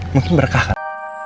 mungkin berkah kan